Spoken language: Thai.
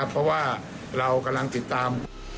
เพราะว่าเรากำลังติดตาม